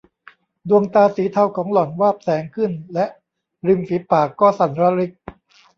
ดวงตาสีเทาของหล่อนวาบแสงขึ้นและริมปีฝากก็สั่นระริก